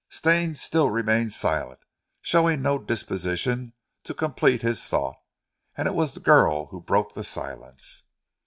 Stane still remained silent, showing no disposition to complete his thought; and it was the girl who broke the silence.